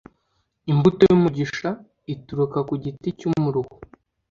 Imbuto yumugisha ituruka kugiti cyu umuruho